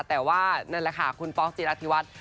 แต่ว่านั่นแหละค่ะคุณป๊อกจิราธิวัฒน์